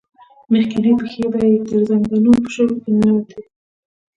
مخکينۍ پښې به يې تر زنګنو په شګو کې ننوتې.